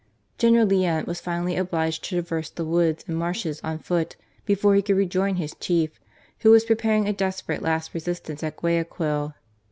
General Leon was finally obliged to traverse the woods and marshes on foot before he could rejoin his chief, who was preparing a desperate last resistance at Guayaquil.